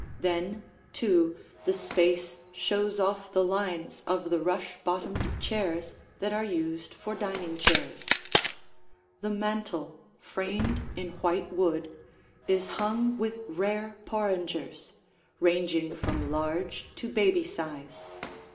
Then, too, the space shows off the lines of the rush bottomed chairs that are used for dining chairs. The mantel, framed in white wood, is hung with rare porringers, ranging from large to baby size.